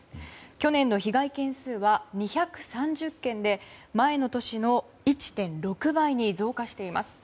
去年の被害件数は２３０件で前の年の１．６倍に増加しています。